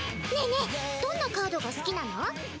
ねぇねぇどんなカードが好きなの？